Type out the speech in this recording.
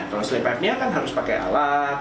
kalau sleep apnea kan harus pakai alat